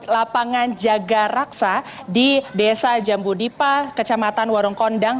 lapangan jaga raksa di desa jambudipa kecamatan warung kondang